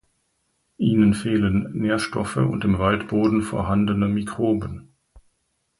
Ihnen fehlen Nährstoffe und im Waldboden vorhandene Mikroben.